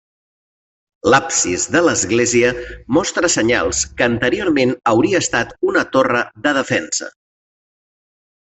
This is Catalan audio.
L'absis de l'església mostra senyals que anteriorment hauria estat una torre de defensa.